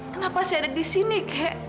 kenapa saya ada di sini kek